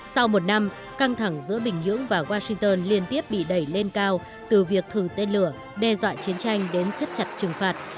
sau một năm căng thẳng giữa bình nhưỡng và washington liên tiếp bị đẩy lên cao từ việc thử tên lửa đe dọa chiến tranh đến siết chặt trừng phạt